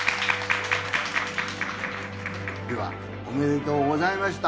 ではおめでとうございました。